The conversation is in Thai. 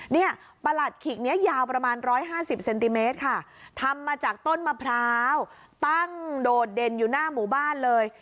ประหลัดขิกนี้ยาวประมาณ๑๕๐เซนติเมตรค่ะทำมาจากต้นมะพร้าวตั้งโดดเด่นอยู่หน้าหมู่บ้านเลย